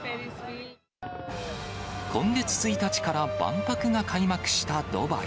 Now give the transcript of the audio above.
今月１日から万博が開幕したドバイ。